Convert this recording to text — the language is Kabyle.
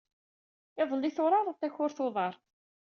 Iḍelli, turareḍ takurt n uḍar.